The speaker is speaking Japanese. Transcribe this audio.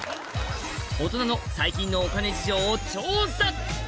大人の最近のお金事情を調査